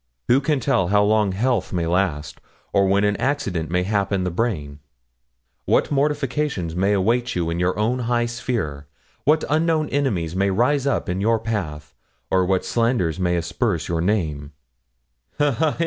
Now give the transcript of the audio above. Who can tell how long health may last, or when an accident may happen the brain; what mortifications may await you in your own high sphere; what unknown enemies may rise up in your path; or what slanders may asperse your name ha, ha!